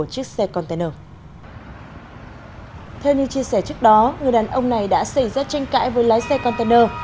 theo như chia sẻ trước đó người đàn ông này đã xảy ra tranh cãi với lái xe container